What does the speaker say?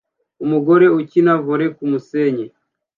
Umugore ukina volley kumusenyi